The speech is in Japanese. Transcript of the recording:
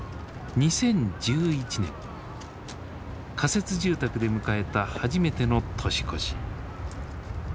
２０１１年仮設住宅で迎えた初めての年越し。